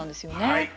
はい。